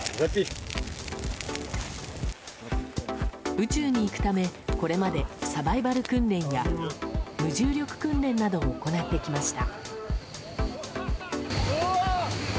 宇宙に行くためこれまでサバイバル訓練や無重力訓練などを行ってきました。